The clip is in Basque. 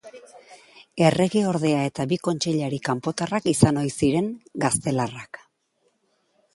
Erregeordea eta bi kontseilari kanpotarrak izan ohi ziren, gaztelarrak.